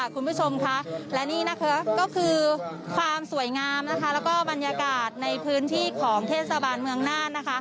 คุณผู้ชมค่ะและนี่ก็คือความสวยงามและบรรยากาศในพื้นที่ของเทศสะบานเมืองน่าน